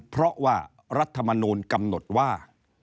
เพราะว่ารัฐมนูลกำหนดว่า